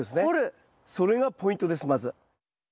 それがポイントですまず。